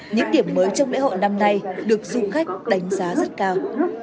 những điểm mới trong lễ hội năm nay được du khách đánh giá rất cao